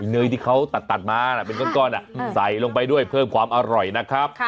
เนยที่เขาตัดมาเป็นก้อนใส่ลงไปด้วยเพิ่มความอร่อยนะครับ